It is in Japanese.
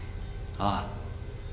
ああ。